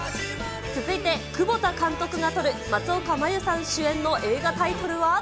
続いて窪田監督が撮る松岡茉優さん主演の映画タイトルは？